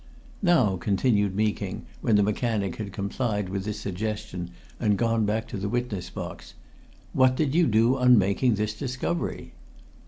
Now," continued Meeking, when the mechanic had complied with this suggestion and gone back to the witness box, "what did you do on making this discovery?"